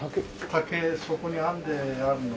竹そこに編んでであるのが。